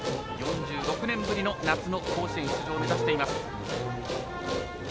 ４６年ぶりの夏の甲子園出場を目指しています。